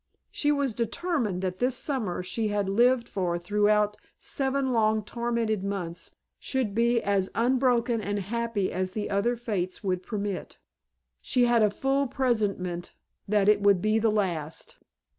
She was determined that this summer she had lived for throughout seven long tormented months should be as unbroken and happy as the other fates would permit. She had a full presentiment that it would be the last.